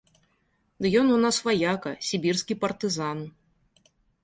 Ды ён у нас ваяка, сібірскі партызан.